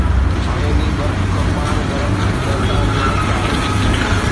حويلي برق خرمان گرم دهقان جو رت آهي